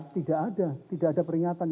tidak ada tidak ada peringatan